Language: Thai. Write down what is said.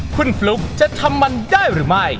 คุณฟลุ๊กจะทำมันได้หรือไม่